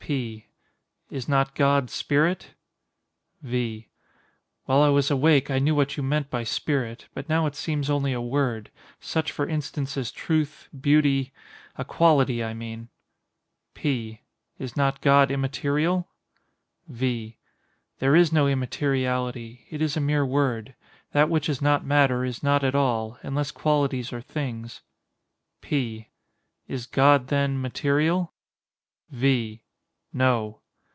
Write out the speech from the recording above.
P. Is not God spirit? V. While I was awake I knew what you meant by "spirit," but now it seems only a word—such, for instance, as truth, beauty—a quality, I mean. P. Is not God immaterial? V. There is no immateriality—it is a mere word. That which is not matter, is not at all—unless qualities are things. P. Is God, then, material? V. No.